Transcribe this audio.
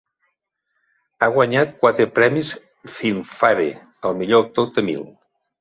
Ha guanyat quatre premis Filmfare al millor actor: Tamil.